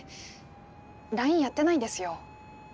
ＬＩＮＥやってないんですよ。